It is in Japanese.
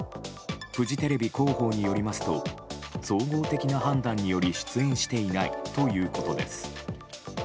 フジテレビ広報によりますと総合的な判断により出演していないということです。